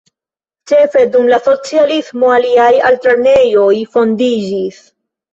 Ĉefe dum la socialismo aliaj altlernejoj fondiĝis.